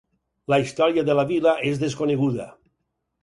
La història de la vila és desconeguda.